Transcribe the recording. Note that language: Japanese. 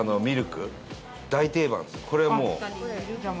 これはもう。